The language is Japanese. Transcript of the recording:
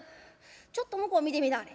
「ちょっと向こう見てみなはれ。